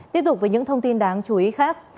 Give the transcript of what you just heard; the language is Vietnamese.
tiếp tục với những thông tin đáng chú ý khác